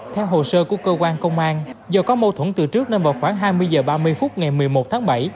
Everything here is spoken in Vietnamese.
theo hồ sơ của cơ quan công an do có mâu thuẫn từ trước nên vào khoảng hai mươi h ba mươi phút ngày một mươi một tháng bảy